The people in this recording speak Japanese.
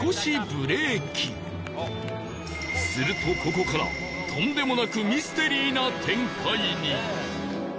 するとここからとんでもなくミステリーな展開に！